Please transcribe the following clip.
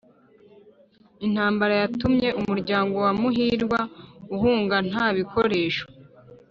intambara yatumye umuryango wa muhirwa uhunga nta bikoresho